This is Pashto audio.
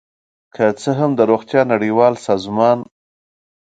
که څه هم د روغتیا نړیوال سازمان